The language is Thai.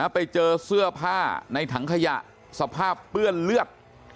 ไปเจอเสื้อผ้าในถังขยะสภาพเปื้อนเลือด